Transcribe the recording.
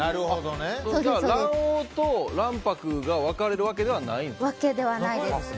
卵黄と卵白が分かれるわけではないんですね。